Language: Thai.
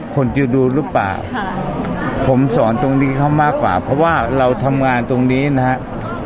คนจะดูหรือเปล่าผมสอนตรงนี้เขามากกว่าเพราะว่าเราทำงานตรงนี้นะครับ